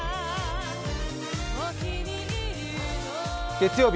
月曜日